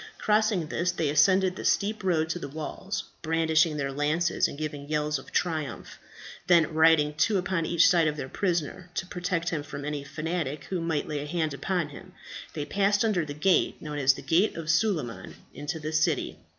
Crossing this they ascended the steep road to the walls, brandishing their lances and giving yells of triumph; then riding two upon each side of their prisoner, to protect him from any fanatic who might lay a hand upon him, they passed under the gate known as the Gate of Suleiman into the city.